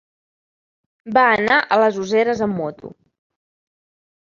Va anar a les Useres amb moto.